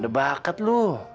udah bakat lo